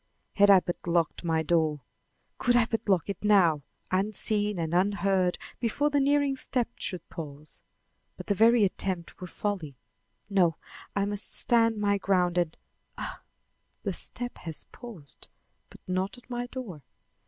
Had I but locked my door! Could I but lock it now, unseen and unheard before the nearing step should pause! But the very attempt were folly; no, I must stand my ground and Ah! the step has paused, but not at my door.